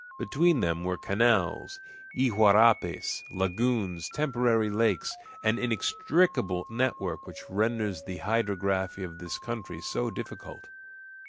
Between them were canals, iguarapes, lagoons, temporary lakes, an inextricable network which renders the hydrography of this country so difficult.